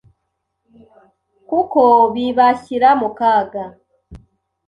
kuko bibashyira mu kaga